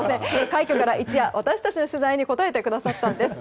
快挙から一夜私たちの取材に答えてくださったんです。